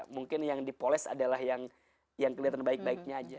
mungkin yang dipoles adalah yang kelihatan baik baiknya aja